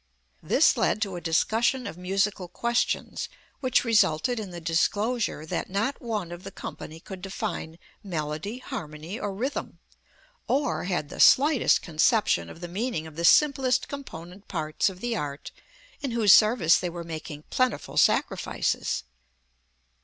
This led to a discussion of musical questions which resulted in the disclosure that not one of the company could define melody, harmony or rhythm, or had the slightest conception of the meaning of the simplest component parts of the art in whose service they were making plentiful sacrifices.